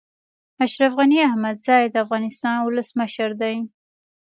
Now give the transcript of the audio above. اشرف غني احمدزی د افغانستان ولسمشر دی